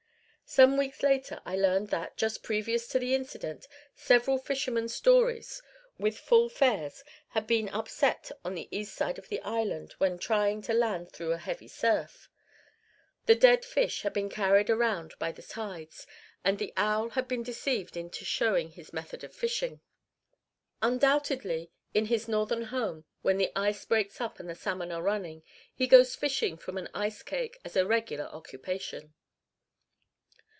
Some weeks later I learned that, just previous to the incident, several fishermen's dories, with full fares, had been upset on the east side of the island when trying to land through a heavy surf. The dead fish had been carried around by the tides, and the owl had been deceived into showing his method of fishing. Undoubtedly, in his northern home, when the ice breaks up and the salmon are running, he goes fishing from an ice cake as a regular occupation.